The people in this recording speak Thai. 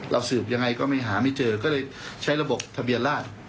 สืบยังไงก็ไม่หาไม่เจอก็เลยใช้ระบบทะเบียนราช